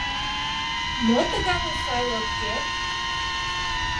Мо тыгане сай лодкет?